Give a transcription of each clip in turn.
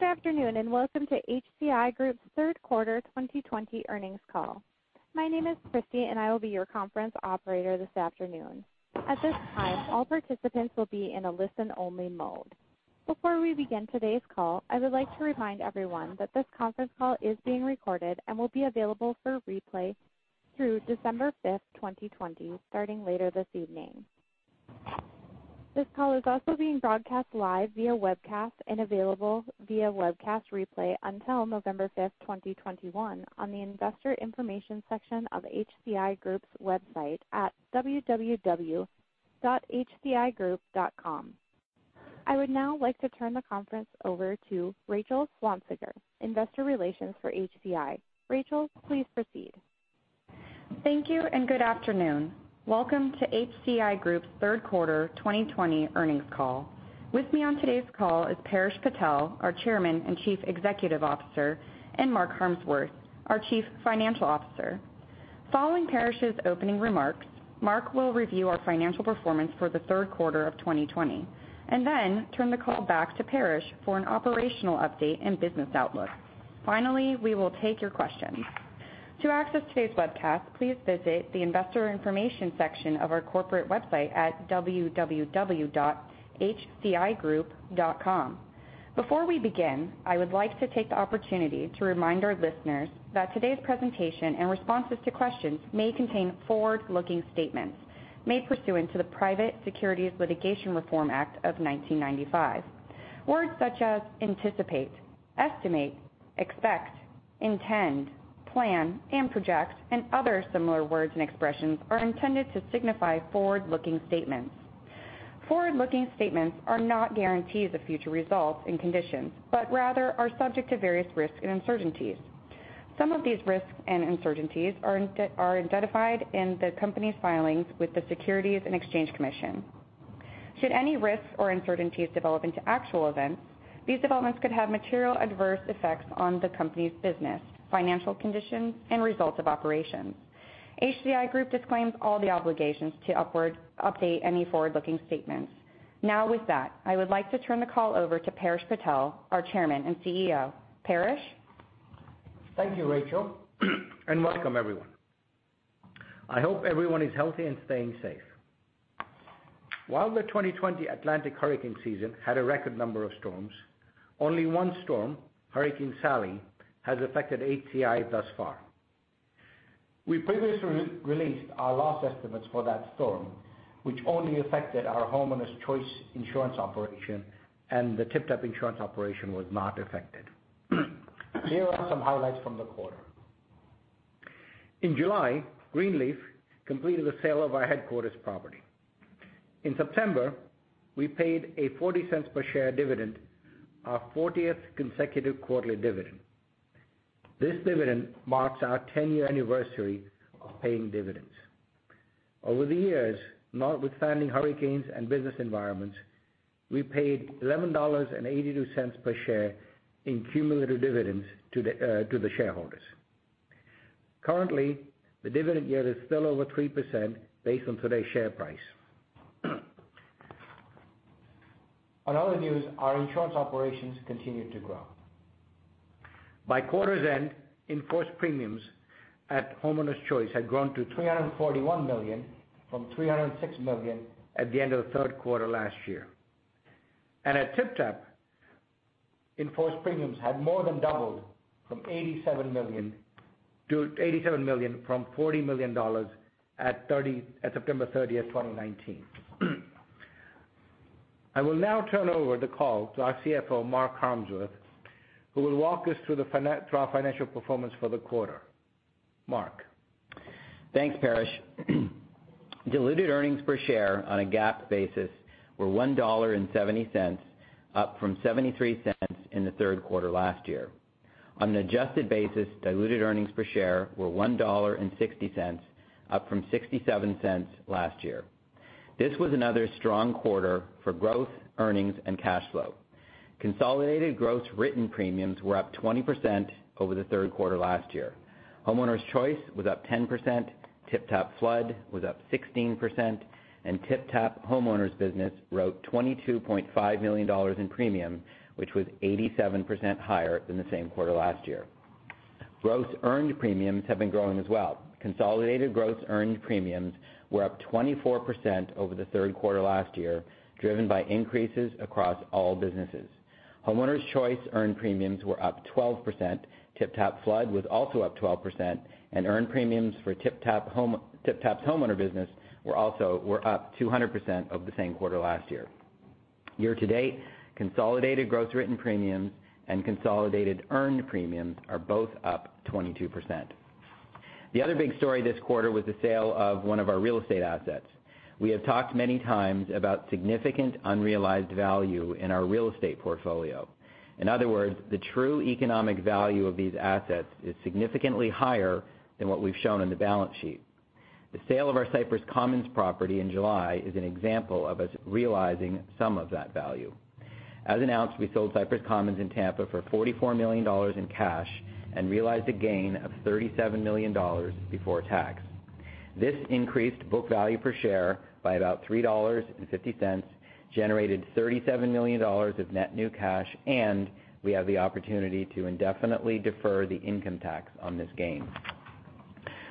Good afternoon, and welcome to HCI Group's third quarter 2020 earnings call. My name is Christy, and I will be your conference operator this afternoon. At this time, all participants will be in a listen only mode. Before we begin today's call, I would like to remind everyone that this conference call is being recorded and will be available for replay through December 5th, 2020, starting later this evening. This call is also being broadcast live via webcast and available via webcast replay until November 5th, 2021, on the investor information section of HCI Group's website at www.hcigroup.com. I would now like to turn the conference over to Rachel Swansiger, investor relations for HCI. Rachel, please proceed. Thank you, and good afternoon. Welcome to HCI Group's third quarter 2020 earnings call. With me on today's call is Paresh Patel, our Chairman and Chief Executive Officer, and Mark Harmsworth, our Chief Financial Officer. Following Paresh's opening remarks, Mark will review our financial performance for the third quarter of 2020, then turn the call back to Paresh for an operational update and business outlook. Finally, we will take your questions. To access today's webcast, please visit the investor information section of our corporate website at www.hcigroup.com. Before we begin, I would like to take the opportunity to remind our listeners that today's presentation and responses to questions may contain forward-looking statements made pursuant to the Private Securities Litigation Reform Act of 1995. Words such as anticipate, estimate, expect, intend, plan, and project, and other similar words and expressions are intended to signify forward-looking statements. Forward-looking statements are not guarantees of future results and conditions, rather are subject to various risks and uncertainties. Some of these risks and uncertainties are identified in the company's filings with the Securities and Exchange Commission. Should any risks or uncertainties develop into actual events, these developments could have material adverse effects on the company's business, financial conditions, and results of operations. HCI Group disclaims all the obligations to update any forward-looking statements. With that, I would like to turn the call over to Paresh Patel, our Chairman and CEO. Paresh? Thank you, Rachel, welcome everyone. I hope everyone is healthy and staying safe. While the 2020 Atlantic hurricane season had a record number of storms, only one storm, Hurricane Sally, has affected HCI thus far. We previously released our loss estimates for that storm, which only affected our Homeowners Choice insurance operation, the TypTap Insurance operation was not affected. Here are some highlights from the quarter. In July, Greenleaf completed the sale of our headquarters property. In September, we paid a $0.40 per share dividend, our 40th consecutive quarterly dividend. This dividend marks our 10-year anniversary of paying dividends. Over the years, notwithstanding hurricanes and business environments, we paid $11.82 per share in cumulative dividends to the shareholders. Currently, the dividend yield is still over 3% based on today's share price. On other news, our insurance operations continued to grow. By quarter's end, in-force premiums at Homeowners Choice had grown to $341 million from $306 million at the end of the third quarter last year. At TypTap, in-force premiums had more than doubled to $87 million from $40 million at September 30th, 2019. I will now turn over the call to our CFO, Mark Harmsworth, who will walk us through our financial performance for the quarter. Mark? Thanks, Paresh. Diluted earnings per share on a GAAP basis were $1.70, up from $0.73 in the third quarter last year. On an adjusted basis, diluted earnings per share were $1.60, up from $0.67 last year. This was another strong quarter for growth, earnings, and cash flow. Consolidated gross written premiums were up 20% over the third quarter last year. Homeowners Choice was up 10%, TypTap Flood was up 16%, and TypTap Homeowners business wrote $22.5 million in premium, which was 87% higher than the same quarter last year. Gross earned premiums have been growing as well. Consolidated gross earned premiums were up 24% over the third quarter last year, driven by increases across all businesses. Homeowners Choice earned premiums were up 12%, TypTap Flood was also up 12%, and earned premiums for TypTap's Homeowner business were up 200% of the same quarter last year. Year-to-date, consolidated gross written premiums and consolidated earned premiums are both up 22%. The other big story this quarter was the sale of one of our real estate assets. We have talked many times about significant unrealized value in our real estate portfolio. In other words, the true economic value of these assets is significantly higher than what we've shown on the balance sheet. The sale of our Cypress Commons property in July is an example of us realizing some of that value. As announced, we sold Cypress Commons in Tampa for $44 million in cash and realized a gain of $37 million before tax. This increased book value per share by about $3.50, generated $37 million of net new cash, and we have the opportunity to indefinitely defer the income tax on this gain.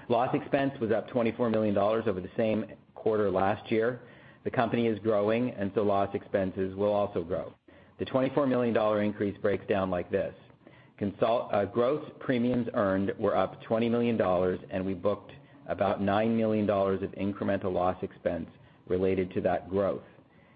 Loss expense was up $24 million over the same quarter last year. The company is growing, so loss expenses will also grow. The $24 million increase breaks down like this. Growth premiums earned were up $20 million, we booked about $9 million of incremental loss expense related to that growth.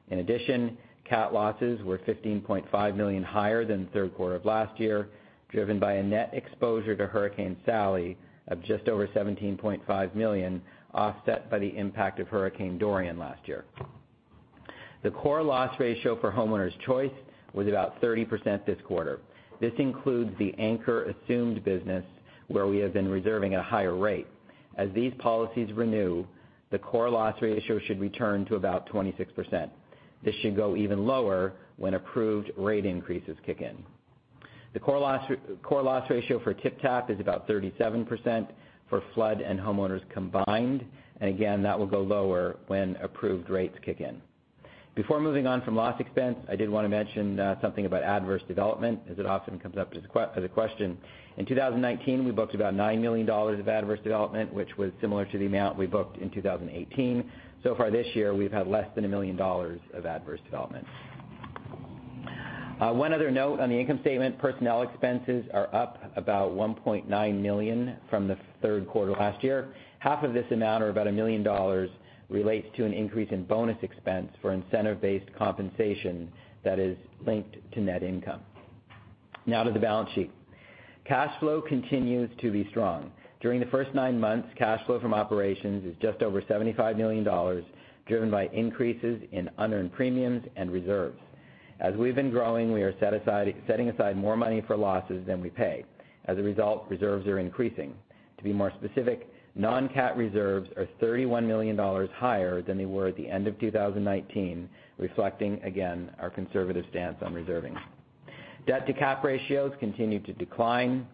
In addition, cat losses were $15.5 million higher than the third quarter of last year, driven by a net exposure to Hurricane Sally of just over $17.5 million, offset by the impact of Hurricane Dorian last year. The core loss ratio for Homeowners Choice was about 30% this quarter. This includes the Anchor assumed business, where we have been reserving at a higher rate. As these policies renew, the core loss ratio should return to about 26%. This should go even lower when approved rate increases kick in. The core loss ratio for TypTap is about 37% for flood and homeowners combined, and again, that will go lower when approved rates kick in. Before moving on from loss expense, I did want to mention something about adverse development, as it often comes up as a question. In 2019, we booked about $9 million of adverse development, which was similar to the amount we booked in 2018. So far this year, we've had less than $1 million of adverse development. One other note on the income statement, personnel expenses are up about $1.9 million from the third quarter last year. Half of this amount, or about $1 million, relates to an increase in bonus expense for incentive-based compensation that is linked to net income. Now to the balance sheet. Cash flow continues to be strong. During the first nine months, cash flow from operations is just over $75 million, driven by increases in unearned premiums and reserves. As we've been growing, we are setting aside more money for losses than we pay. As a result, reserves are increasing. To be more specific, non-cat reserves are $31 million higher than they were at the end of 2019, reflecting again our conservative stance on reserving. Debt to cap ratios continue to decline,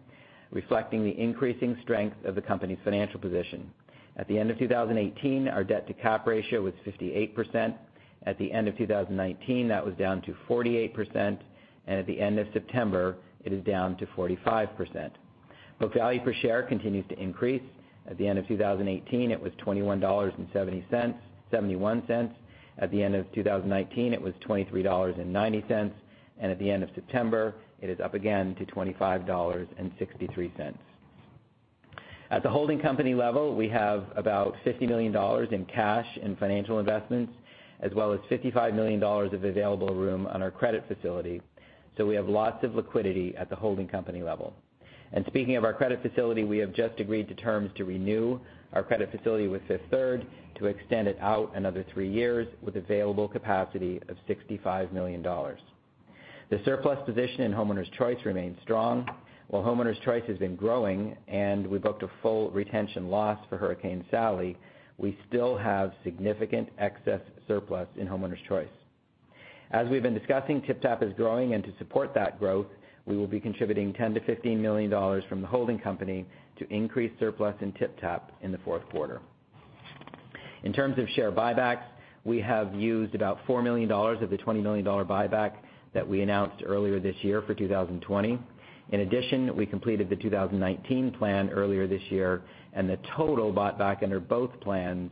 reflecting the increasing strength of the company's financial position. At the end of 2018, our debt to cap ratio was 58%. At the end of 2019, that was down to 48%, and at the end of September, it is down to 45%. Book value per share continues to increase. At the end of 2018, it was $21.71. At the end of 2019, it was $23.90, and at the end of September, it is up again to $25.63. At the holding company level, we have about $50 million in cash and financial investments, as well as $55 million of available room on our credit facility, so we have lots of liquidity at the holding company level. Speaking of our credit facility, we have just agreed to terms to renew our credit facility with Fifth Third to extend it out another three years with available capacity of $65 million. The surplus position in Homeowners Choice remains strong. While Homeowners Choice has been growing and we booked a full retention loss for Hurricane Sally, we still have significant excess surplus in Homeowners Choice. As we've been discussing, TypTap is growing, and to support that growth, we will be contributing $10 million-$15 million from the holding company to increase surplus in TypTap in the fourth quarter. In terms of share buybacks, we have used about $4 million of the $20 million buyback that we announced earlier this year for 2020. In addition, we completed the 2019 plan earlier this year, and the total bought back under both plans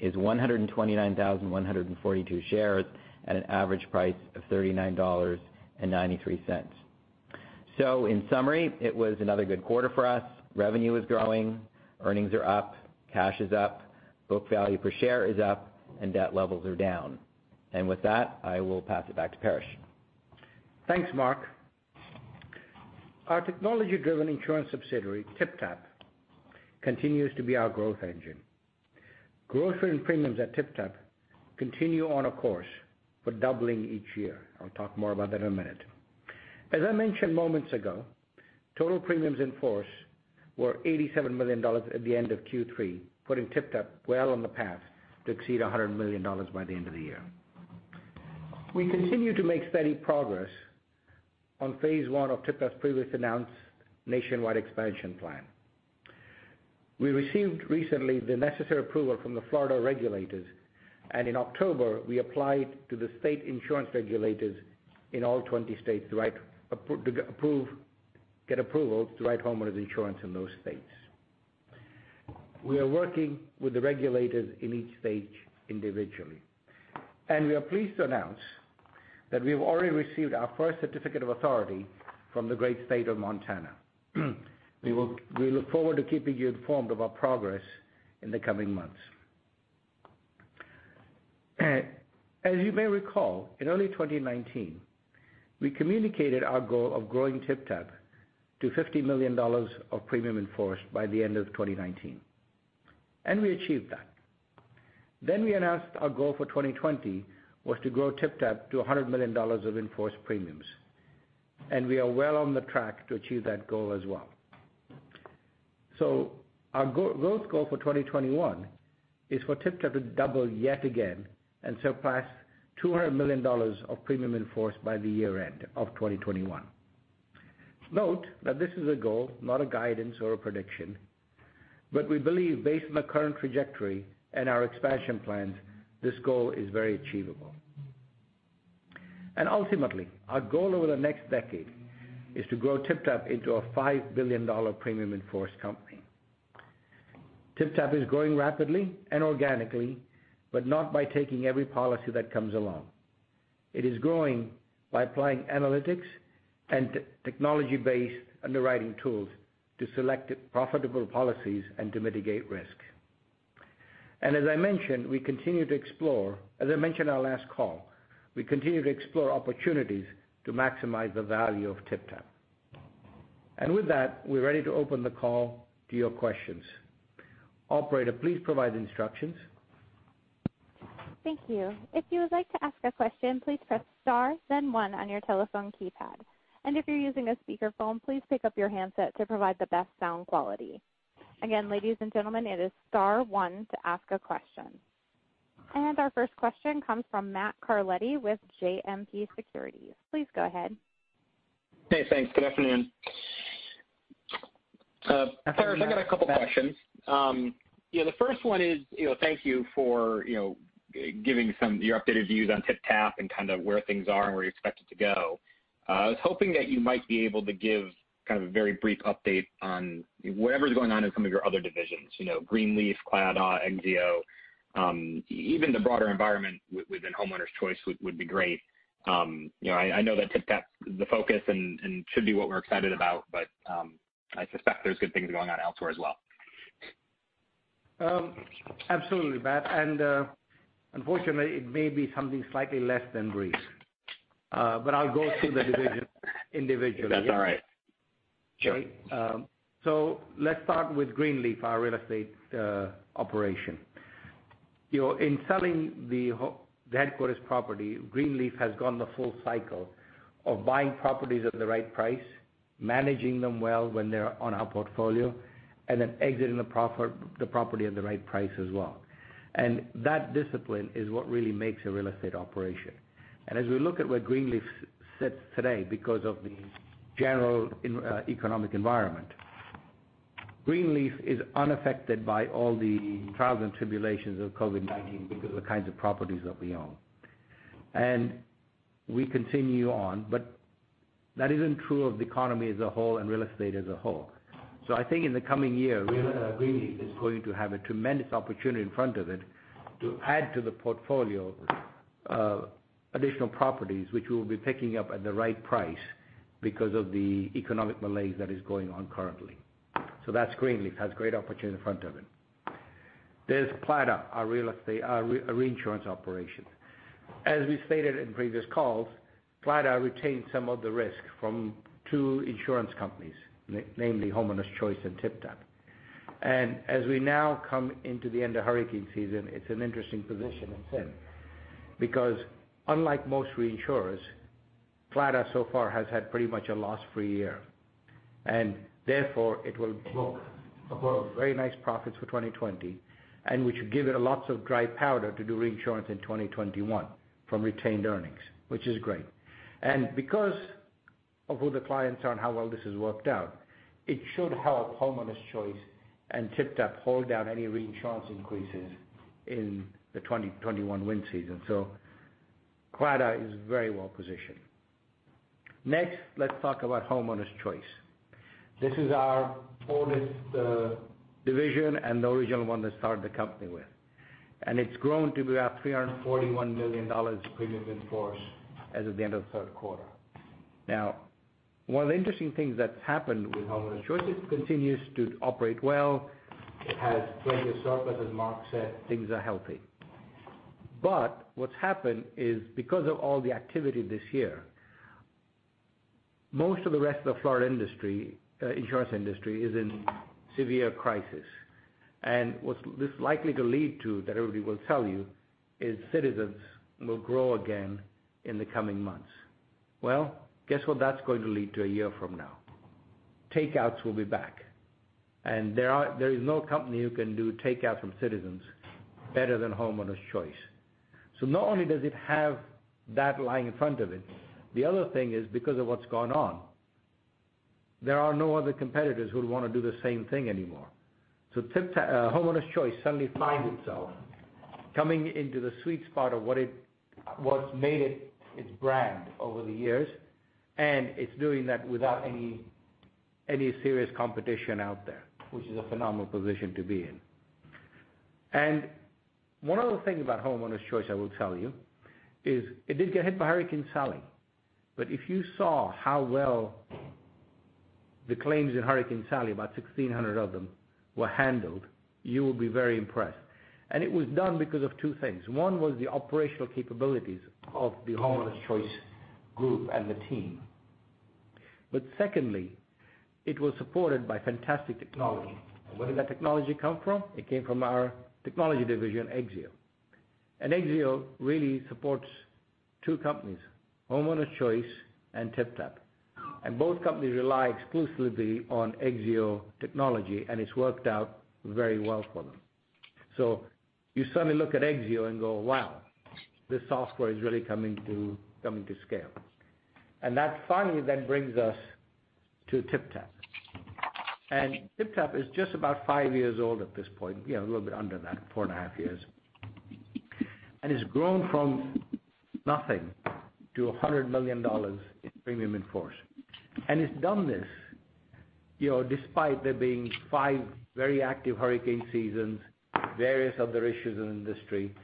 is 129,142 shares at an average price of $39.93. In summary, it was another good quarter for us. Revenue is growing, earnings are up, cash is up, book value per share is up, and debt levels are down. With that, I will pass it back to Paresh. Thanks, Mark. Our technology-driven insurance subsidiary, TypTap, continues to be our growth engine. Growth in premiums at TypTap continue on a course for doubling each year. I'll talk more about that in a minute. As I mentioned moments ago, total premiums in force were $87 million at the end of Q3, putting TypTap well on the path to exceed $100 million by the end of the year. We continue to make steady progress on phase one of TypTap's previously announced nationwide expansion plan. We received recently the necessary approval from the Florida regulators, and in October we applied to the state insurance regulators in all 20 states to get approvals to write homeowners insurance in those states. We are working with the regulators in each state individually. We are pleased to announce that we have already received our first certificate of authority from the great state of Montana. We look forward to keeping you informed of our progress in the coming months. As you may recall, in early 2019, we communicated our goal of growing TypTap to $50 million of premium in force by the end of 2019. We achieved that. We announced our goal for 2020 was to grow TypTap to $100 million of in-force premiums. We are well on the track to achieve that goal as well. Our growth goal for 2021 is for TypTap to double yet again and surpass $200 million of premium in force by the year-end of 2021. Note that this is a goal, not a guidance or a prediction. We believe based on the current trajectory and our expansion plans, this goal is very achievable. Ultimately, our goal over the next decade is to grow TypTap into a $5 billion premium in force company. TypTap is growing rapidly and organically, but not by taking every policy that comes along. It is growing by applying analytics and technology-based underwriting tools to select profitable policies and to mitigate risk. As I mentioned in our last call, we continue to explore opportunities to maximize the value of TypTap. With that, we're ready to open the call to your questions. Operator, please provide instructions. Thank you. If you would like to ask a question, please press star, then one on your telephone keypad. If you're using a speakerphone, please pick up your handset to provide the best sound quality. Again, ladies and gentlemen, it is star one to ask a question. Our first question comes from Matthew Carletti with JMP Securities. Please go ahead. Hey, thanks. Good afternoon. Afternoon, Matt. I got a couple questions. The first one is, thank you for giving some of your updated views on TypTap and kind of where things are and where you expect it to go. I was hoping that you might be able to give kind of a very brief update on whatever's going on in some of your other divisions, Greenleaf, Claddagh, Exzeo, even the broader environment within Homeowners Choice would be great. I know that TypTap's the focus and should be what we're excited about, but I suspect there's good things going on elsewhere as well. Absolutely, Matt, and unfortunately, it may be something slightly less than brief. I'll go through the divisions individually. That's all right. Sure. Let's start with Greenleaf, our real estate operation. In selling the headquarters property, Greenleaf has gone the full cycle of buying properties at the right price, managing them well when they're on our portfolio, and then exiting the property at the right price as well. That discipline is what really makes a real estate operation. As we look at where Greenleaf sits today because of the general economic environment, Greenleaf is unaffected by all the trials and tribulations of COVID-19 because of the kinds of properties that we own. We continue on. That isn't true of the economy as a whole and real estate as a whole. I think in the coming year, Greenleaf is going to have a tremendous opportunity in front of it to add to the portfolio of additional properties, which we'll be picking up at the right price because of the economic malaise that is going on currently. That's Greenleaf, has great opportunity in front of it. There's Claddaugh, our reinsurance operation. As we stated in previous calls, Claddaugh retained some of the risk from two insurance companies, namely Homeowners Choice and TypTap. As we now come into the end of hurricane season, it's an interesting position it's in because unlike most reinsurers, Claddaugh so far has had pretty much a loss-free year, and therefore it will book very nice profits for 2020, and which give it lots of dry powder to do reinsurance in 2021 from retained earnings, which is great. Because of who the clients are and how well this has worked out, it should help Homeowners Choice and TypTap hold down any reinsurance increases in the 2021 wind season. Claddaugh is very well-positioned. Next, let's talk about Homeowners Choice. This is our oldest division and the original one that started the company with. It's grown to be about $341 million premium in force as of the end of the third quarter. One of the interesting things that's happened with Homeowners Choice, it continues to operate well. It has plenty of surplus, as Mark said, things are healthy. What's happened is because of all the activity this year, most of the rest of the Florida insurance industry is in severe crisis. What this is likely to lead to, that everybody will tell you, is Citizens will grow again in the coming months. Guess what that's going to lead to a year from now? Takeouts will be back. There is no company who can do takeout from Citizens better than Homeowners Choice. Not only does it have that lying in front of it, the other thing is because of what's gone on, there are no other competitors who would want to do the same thing anymore. Homeowners Choice suddenly finds itself coming into the sweet spot of what's made its brand over the years, and it's doing that without any serious competition out there, which is a phenomenal position to be in. One other thing about Homeowners Choice I will tell you is it did get hit by Hurricane Sally, but if you saw how well the claims in Hurricane Sally, about 1,600 of them, were handled, you would be very impressed. It was done because of two things. One was the operational capabilities of the Homeowners Choice Group and the team. Secondly, it was supported by fantastic technology. Where did that technology come from? It came from our technology division, Exzeo. Exzeo really supports two companies, Homeowners Choice and TypTap. Both companies rely exclusively on Exzeo technology, and it's worked out very well for them. You suddenly look at Exzeo and go, wow. This software is really coming to scale. That finally then brings us to TypTap. TypTap is just about five years old at this point, a little bit under that, four and a half years. It's grown from nothing to $100 million in premium in force. It's done this, despite there being five very active hurricane seasons, various other issues in the industry,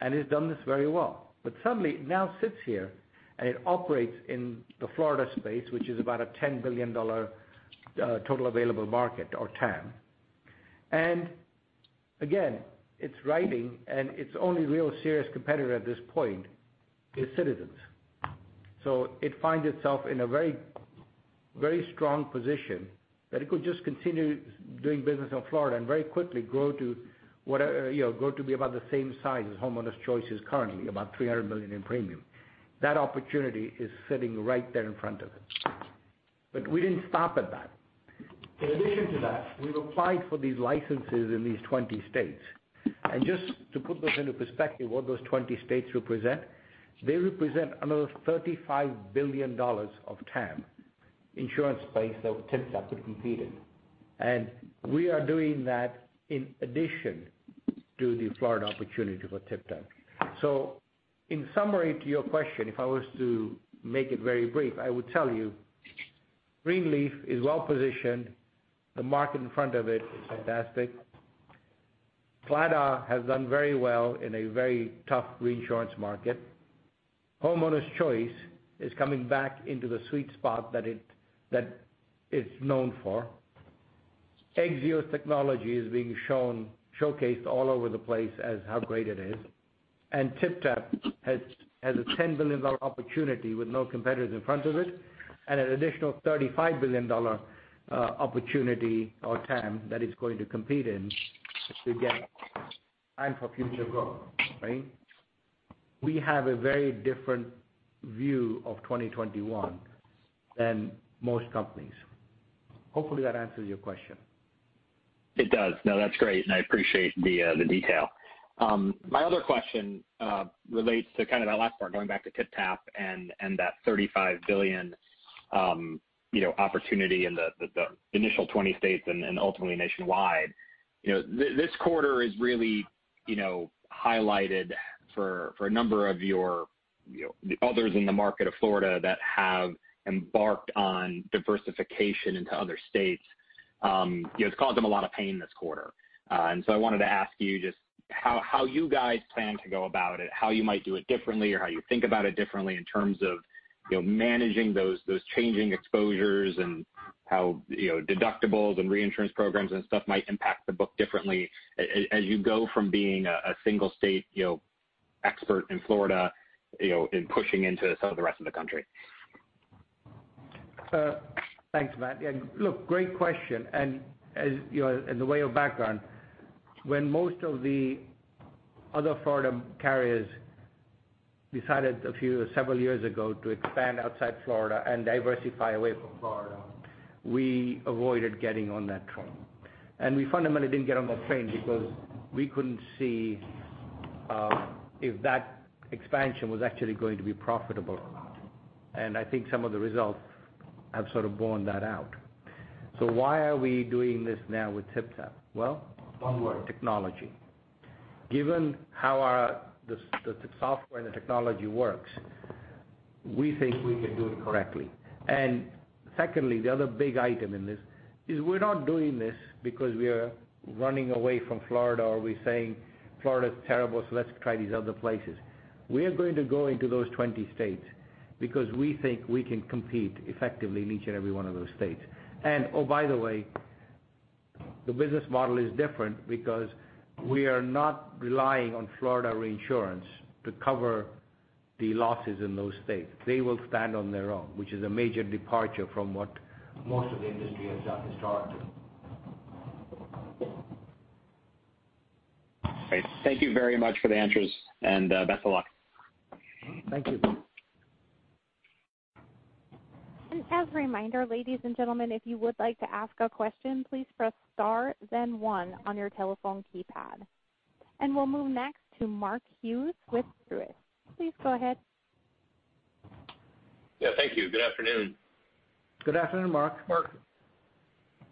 and it's done this very well. Suddenly it now sits here, and it operates in the Florida space, which is about a $10 billion total available market or TAM. Again, it's riding, and its only real serious competitor at this point is Citizens. It finds itself in a very strong position that it could just continue doing business in Florida and very quickly grow to be about the same size as Homeowners Choice is currently, about $300 million in premium. That opportunity is sitting right there in front of it. We didn't stop at that. In addition to that, we've applied for these licenses in these 20 states. Just to put those into perspective, what those 20 states represent, they represent another $35 billion of TAM insurance space that TypTap could compete in. We are doing that in addition to the Florida opportunity for TypTap. In summary to your question, if I was to make it very brief, I would tell you Greenleaf is well positioned. The market in front of it is fantastic. Claddaugh has done very well in a very tough reinsurance market. Homeowners Choice is coming back into the sweet spot that it's known for. Exzeo Technology is being showcased all over the place as how great it is, and TypTap has a $10 billion opportunity with no competitors in front of it and an additional $35 billion opportunity or TAM that it's going to compete in to get and for future growth. Right. We have a very different view of 2021 than most companies. Hopefully that answers your question. It does. That's great, and I appreciate the detail. My other question relates to that last part, going back to TypTap and that $35 billion opportunity in the initial 20 states and ultimately nationwide. This quarter is really highlighted for a number of the others in the market of Florida that have embarked on diversification into other states. It's caused them a lot of pain this quarter. I wanted to ask you just how you guys plan to go about it, how you might do it differently, or how you think about it differently in terms of managing those changing exposures and how deductibles and reinsurance programs and stuff might impact the book differently, as you go from being a single state expert in Florida, in pushing into some of the rest of the country. Thanks, Matt. Great question. As in the way of background, when most of the other Florida carriers decided a few or several years ago to expand outside Florida and diversify away from Florida, we avoided getting on that train. We fundamentally didn't get on that train because we couldn't see if that expansion was actually going to be profitable or not. I think some of the results have sort of borne that out. Why are we doing this now with TypTap? One word, technology. Given how the software and the technology works, we think we can do it correctly. Secondly, the other big item in this is we're not doing this because we are running away from Florida, or we're saying Florida's terrible, let's try these other places. We are going to go into those 20 states because we think we can compete effectively in each and every one of those states. Oh, by the way, the business model is different because we are not relying on Florida reinsurance to cover the losses in those states. They will stand on their own, which is a major departure from what most of the industry has done historically. Great. Thank you very much for the answers and best of luck. Thank you. As a reminder, ladies and gentlemen, if you would like to ask a question, please press star then one on your telephone keypad. We'll move next to Mark Hughes with Truist. Please go ahead. Yeah, thank you. Good afternoon. Good afternoon, Mark. Mark.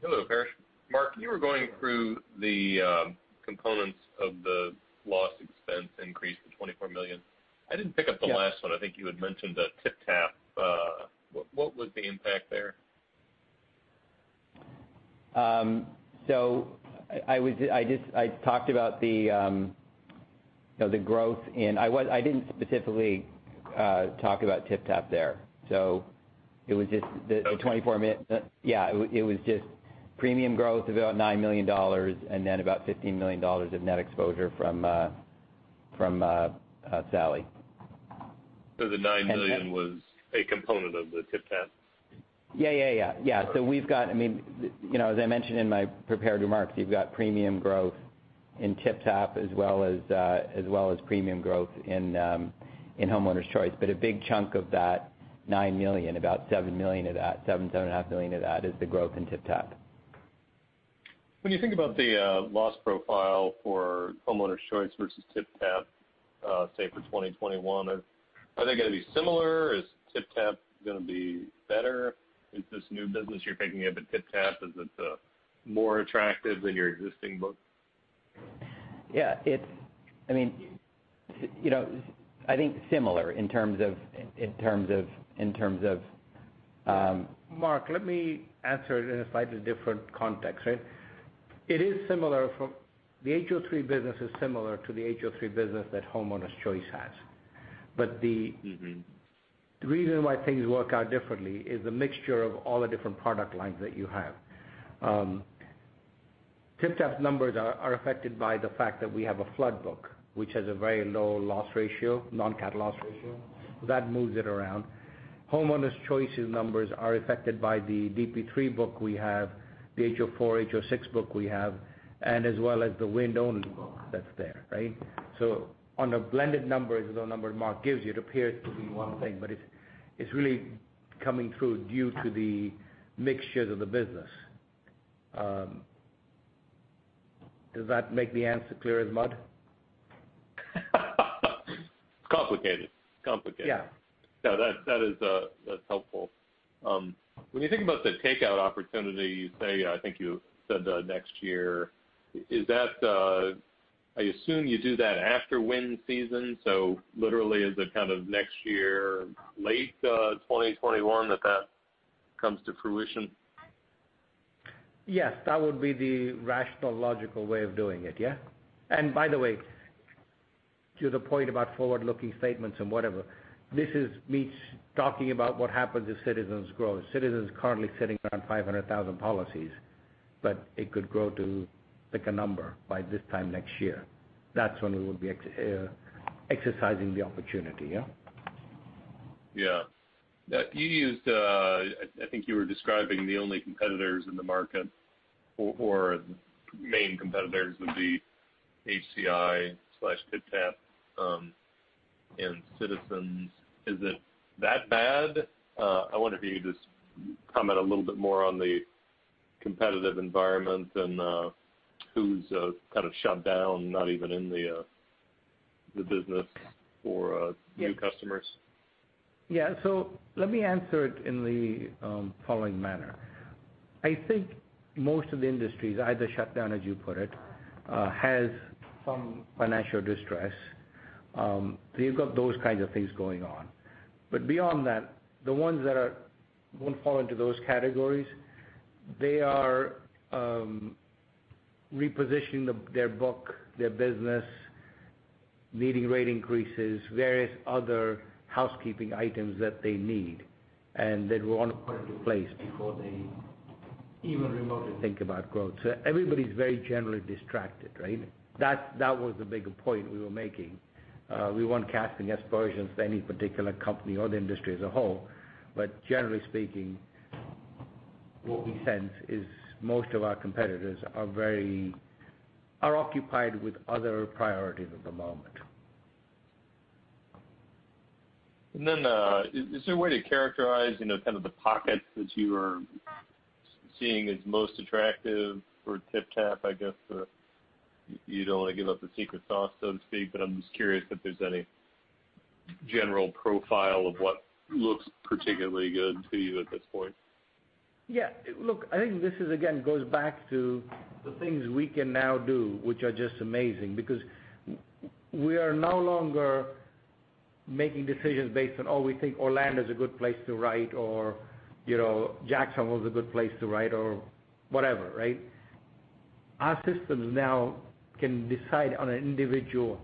Hello, Paresh. Mark, you were going through the components of the loss expense increase of $24 million. I didn't pick up the last one. I think you had mentioned the TypTap. What was the impact there? I talked about the growth. I didn't specifically talk about TypTap there. It was just the $24 million. It was just premium growth of about $9 million and then about $15 million of net exposure from Sally. The $9 million was a component of the TypTap? We've got, as I mentioned in my prepared remarks, you've got premium growth in TypTap as well as premium growth in Homeowners Choice. A big chunk of that $9 million, about $7 million of that, $7.5 million of that is the growth in TypTap. When you think about the loss profile for Homeowners Choice versus TypTap, say, for 2021, are they going to be similar? Is TypTap going to be better? Is this new business you're picking up at TypTap, is it more attractive than your existing book? Yeah. I think similar in terms of- Mark, let me answer it in a slightly different context, right? The HO-3 business is similar to the HO-3 business that Homeowners Choice has. The reason why things work out differently is the mixture of all the different product lines that you have. TypTap's numbers are affected by the fact that we have a flood book, which has a very low loss ratio, non-cat loss ratio. That moves it around. Homeowners Choice's numbers are affected by the DP-3 book we have, the HO-4, HO-6 book we have, and as well as the wind-only book that's there, right? On a blended number, the number Mark gives you, it appears to be one thing, but it's really coming through due to the mixtures of the business. Does that make the answer clear as mud? It's complicated. Yeah. No, that's helpful. When you think about the takeout opportunity, you say, I think you said next year. I assume you do that after wind season, so literally is it kind of next year, late 2021, that that comes to fruition? Yes, that would be the rational, logical way of doing it, yeah? By the way, to the point about forward-looking statements and whatever, this is me talking about what happens if Citizens grows. Citizens currently sitting around 500,000 policies, but it could grow to pick a number by this time next year. That's when we will be exercising the opportunity, yeah? Yeah. I think you were describing the only competitors in the market, or the main competitors would be HCI/TypTap and Citizens. Is it that bad? I wonder if you could just comment a little bit more on the competitive environment and who's kind of shut down, not even in the business for new customers. Let me answer it in the following manner. I think most of the industry's either shut down, as you put it, has some financial distress. You've got those kinds of things going on. Beyond that, the ones that won't fall into those categories, they are repositioning their book, their business, needing rate increases, various other housekeeping items that they need, and they want to put into place before they even remotely think about growth. Everybody's very generally distracted, right? That was the bigger point we were making. We weren't casting aspersions to any particular company or the industry as a whole, but generally speaking, what we sense is most of our competitors are occupied with other priorities at the moment. Is there a way to characterize kind of the pockets that you are seeing as most attractive for TypTap? I guess you don't want to give up the secret sauce, so to speak, but I'm just curious if there's any general profile of what looks particularly good to you at this point. Look, I think this, again, goes back to the things we can now do, which are just amazing because we are no longer making decisions based on, oh, we think Orlando's a good place to write, or Jacksonville's a good place to write or whatever, right? Our systems now can decide on an individual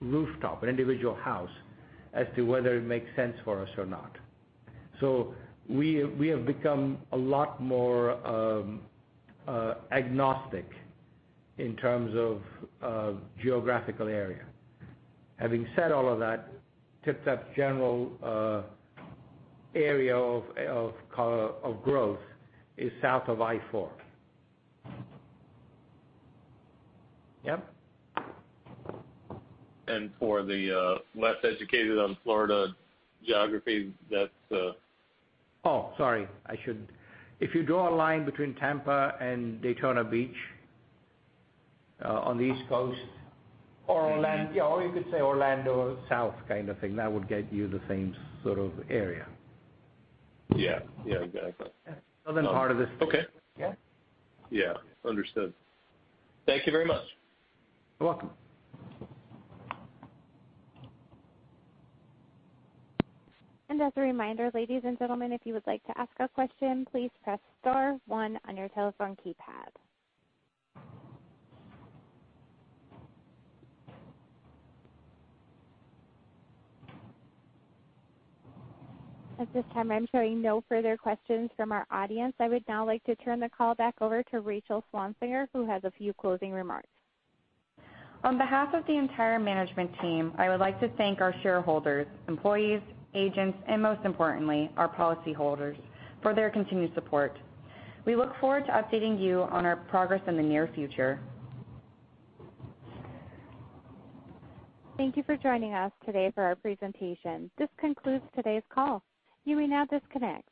rooftop, an individual house, as to whether it makes sense for us or not. We have become a lot more agnostic in terms of geographical area. Having said all of that, TypTap's general area of growth is south of I-4. Yep. For the less educated on Florida geography, that's? If you draw a line between Tampa and Daytona Beach on the East Coast or you could say Orlando south kind of thing. That would get you the same sort of area. Yeah, exactly. Southern part of the state. Okay. Yeah. Yeah. Understood. Thank you very much. You're welcome. As a reminder, ladies and gentlemen, if you would like to ask a question, please press star one on your telephone keypad. At this time, I am showing no further questions from our audience. I would now like to turn the call back over to Rachel Swansinger, who has a few closing remarks. On behalf of the entire management team, I would like to thank our shareholders, employees, agents, and most importantly, our policyholders for their continued support. We look forward to updating you on our progress in the near future. Thank you for joining us today for our presentation. This concludes today's call. You may now disconnect.